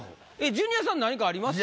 ジュニアさん何かありますか？